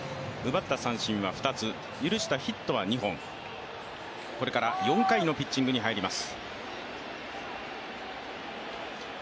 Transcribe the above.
許したヒットは２本、これから４回のピッチングに入ります。